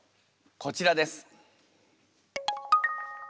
こちらです。